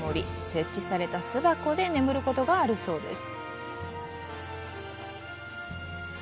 設置された巣箱で眠ることがあるそうです。